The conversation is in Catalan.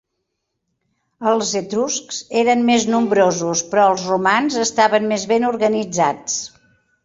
Els etruscs eren més nombrosos però els romans estaven més ben organitzats.